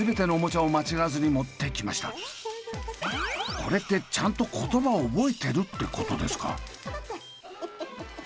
これってちゃんと言葉を覚えてるってことですか？